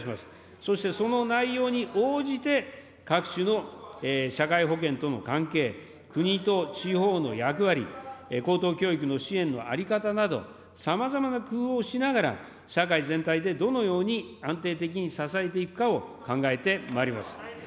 そしてその内容に応じて各種の社会保険との関係、国と地方の役割、高等教育の支援の在り方など、さまざまな工夫をしながら、社会全体でどのように安定的に支えていくかを考えてまいります。